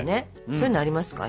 そういうのありますか？